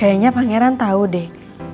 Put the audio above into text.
kayaknya pangeran tau deh